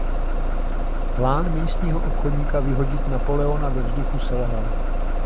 Plán místního obchodníka vyhodit Napoleona do vzduchu selhal.